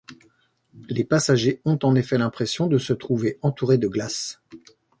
Les passagers ont en effet l'impression de se trouver entourés de glaces.